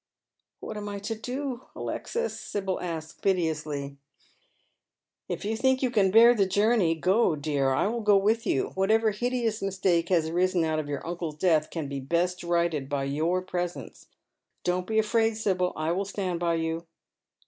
" What am I to do, Alexis ?" Sibyl asks, piteously. " If you think you can bear the journey, go, dear. I will go with you. Whatever hideous mistake has arisen out of your uncle's death can be best righted by your presence. Don't be afi aid, Sibyl, I will stand by you."